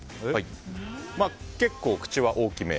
結構、口は大きめ。